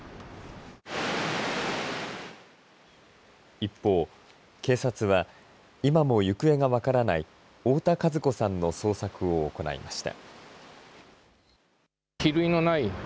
一方、警察は今も行方が分からない太田和子さんの捜索を行いました。